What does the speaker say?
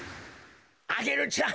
アゲルちゃん